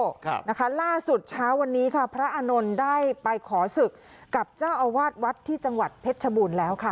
ครับนะคะล่าสุดเช้าวันนี้ค่ะพระอานนท์ได้ไปขอศึกกับเจ้าอาวาสวัดที่จังหวัดเพชรชบูรณ์แล้วค่ะ